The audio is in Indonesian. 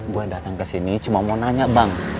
gua datang kesini cuma mau nanya bang